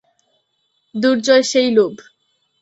দুর্জয় সেই লোভ।